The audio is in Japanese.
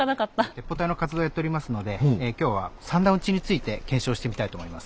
鉄砲隊の活動をやっておりますので今日は三段撃ちについて検証してみたいと思います。